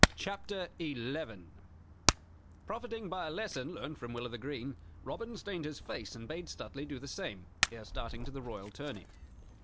CHAPTER XI Profiting by a lesson learned from Will o' th' Green, Robin stained his face and bade Stuteley do the same ere starting to the Royal tourney.